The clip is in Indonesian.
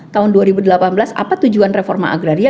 tahun dua ribu delapan belas apa tujuan reforma agraria